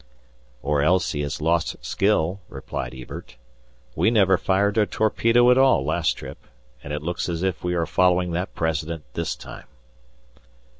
"Or else he has lost skill!" replied Ebert. "We never fired a torpedo at all last trip, and it looks as if we are following that precedent this time."